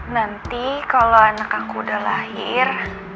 nanti kalau anak aku udah lahir